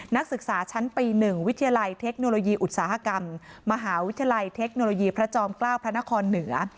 นักศึกษาชั้นปี๑วิทยาลัยเทคโนโลยีอุตสาหกรรมมหาวิทยาลัยเทคโนโลยีพระจอมเกล้าพระนครเหนือ